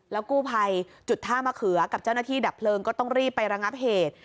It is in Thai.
กู้ภัยจุดท่ามะเขือกับเจ้าหน้าที่ดับเพลิงก็ต้องรีบไประงับเหตุ